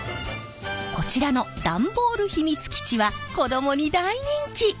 こちらの段ボール秘密基地は子どもに大人気！